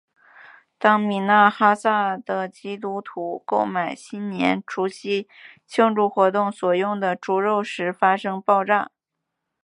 当米纳哈萨的基督徒购买新年除夕庆祝活动所用的猪肉时发生爆炸。